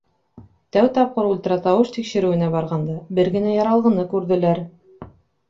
— Тәү тапҡыр ультратауыш тикшереүенә барғанда, бер генә яралғыны күрҙеләр.